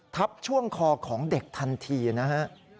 ทับช่วงคอของเด็กทันทีนะฮะ